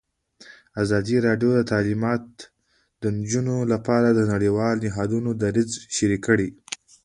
ازادي راډیو د تعلیمات د نجونو لپاره د نړیوالو نهادونو دریځ شریک کړی.